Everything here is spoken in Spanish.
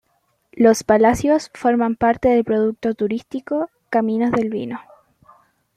Los Palacios forma parte del producto turístico Caminos del Vino.